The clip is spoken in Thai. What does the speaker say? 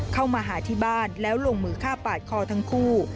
เข้ามาหาที่บ้านแล้วลงมือฆ่าปาดคอทั้งคู่